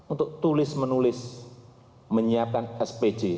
untuk tulis menulis menyiapkan spj